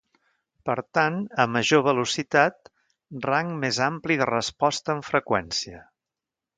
Per tant a major velocitat, rang més ampli de resposta en freqüència.